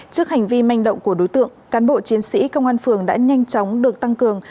trước hành vi manh động của đối tượng cán bộ chiến sĩ công an phường đã nhanh chóng được tăng cường